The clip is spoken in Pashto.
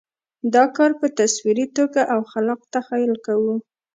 دا کار په تصوري توګه او خلاق تخیل کوو.